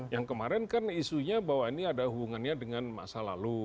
yang kemarin kan isunya bahwa ini ada hubungannya dengan masa lalu